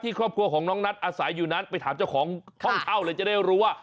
ครอบครัวของน้องนัทอาศัยอยู่นั้นไปถามเจ้าของห้องเช่าเลยจะได้รู้ว่า